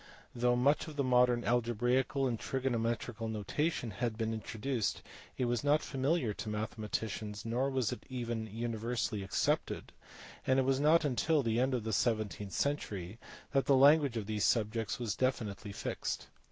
Though much of the modern algebraical and trigonometrical notation had been introduced, it was not familiar to mathematicians, nor was it even universally accepted ; and it was not until the end of the seventeenth century that the language of these subjects was definitely fixed.